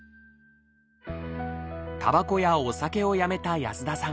たばこやお酒をやめた安田さん。